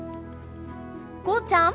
こうちゃん！